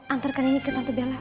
antarkan ini ke tante bela